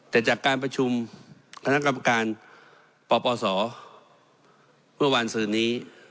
แต่จากการประชุมคณะกรรมการปปศเมื่อวานซืนนี้